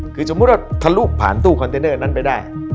คือสมมุติว่าทะลุผ่านตู้คอนเทนเนอร์นั้นไปได้